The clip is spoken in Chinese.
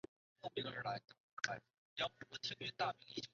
公园已向机电工程署通报有关事故。